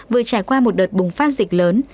vừa trải qua một đợt bùng phát dịch lớn